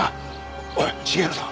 おい重治さん